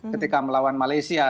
ketika melawan malaysia